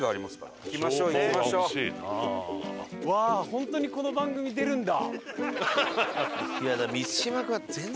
本当にこの番組出るんだ！